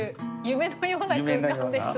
夢のような空間です